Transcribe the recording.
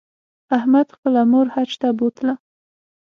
احمد خپله مور حج ته بوتله